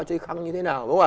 chơi khăn như thế nào